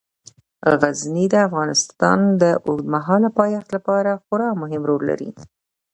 غزني د افغانستان د اوږدمهاله پایښت لپاره خورا مهم رول لري.